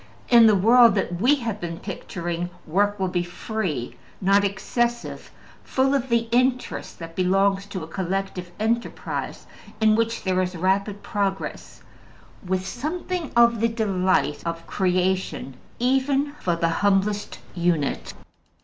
In the world that we have been picturing, work will be free, not excessive, full of the interest that belongs to a collective enterprise in which there is rapid progress, with something of the delight of creation even for the humblest unit.